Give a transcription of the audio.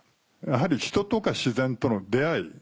やはり人とか自然との出会い